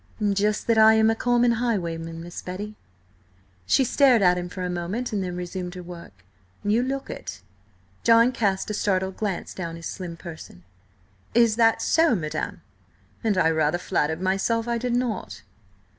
"Just that I am a common highwayman, Miss Betty." She stared at him for a moment, and then resumed her work. "You look it." John cast a startled glance down his slim person. "Is that so, madam? And I rather flattered myself I did not!"